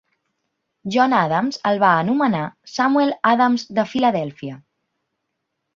John Adams el va anomenar "Samuel Adams de Filadèlfia".